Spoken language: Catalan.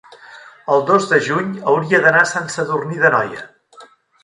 el dos de juny hauria d'anar a Sant Sadurní d'Anoia.